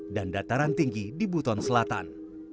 dan dataran tinggi di buton selatan